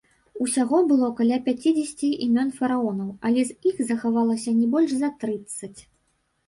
Усяго было каля пяцідзесяці імён фараонаў, але з іх захавалася не больш за трыццаць.